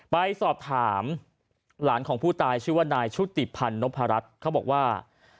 ไปสอบถามหลานของผู้ตายชื่อว่านายชุติพันธ์นพรัชเขาบอกว่า